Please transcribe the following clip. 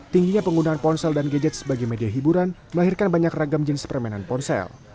tingginya penggunaan ponsel dan gadget sebagai media hiburan melahirkan banyak ragam jenis permainan ponsel